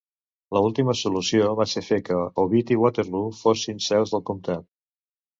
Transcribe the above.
La última solució va ser fer que Ovid i Waterloo fossin seus del comptat.